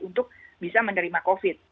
untuk bisa menerima covid